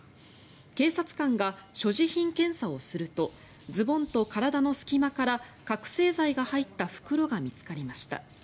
警察官が所持品検査をするとズボンと体の隙間から覚醒剤が入った袋が見つかりました。